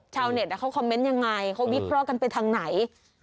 ชาวเน็ตเขาคอมเมนต์ยังไงเขาวิเคราะห์กันไปทางไหน